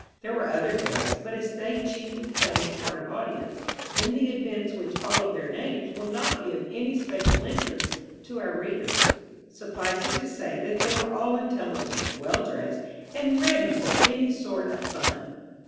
There were other guests, but as they chiefly played the part of audience in the events which followed their names will not be of any special interest to our readers. Suffice it to say that they were all intelligent, well dressed, and ready for any sort of fun.